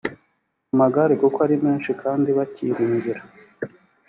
amagare kuko ari menshi kandi bakiringira